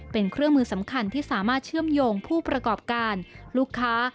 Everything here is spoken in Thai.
เป็นเครื่องมือสำคัญที่สามารถเชื่อมโยงผู้ประกอบการลูกค้า